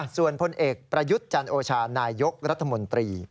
ส่วนพลเอกประยุทธ์จันโอชานายยกรัฐมนตรี